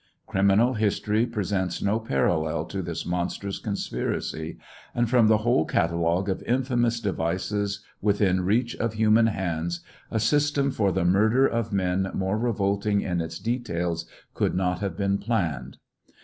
Criminal history presents no parallel to this monstrous conspiracy, and from the whole catalogue of infamous devices within reach of human hands, a system for the murder of men more revolting in its details could not have been planned.